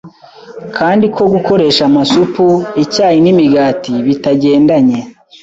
kandi ko gukoresha amasupu, icyayi n’imigati bitagendanye